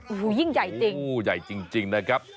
โอ้โหยิ่งใหญ่จริงนะครับ